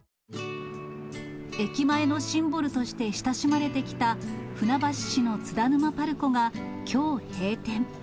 駅前のシンボルとして親しまれてきた、船橋市の津田沼パルコがきょう閉店。